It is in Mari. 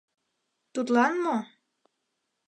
Тудлан мо?